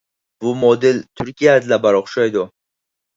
بۇ مودېل تۈركىيەدىلا بار ئوخشايدۇ.